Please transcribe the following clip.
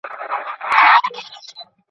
سره لمبه چي درته هر کلی او ښار دئ.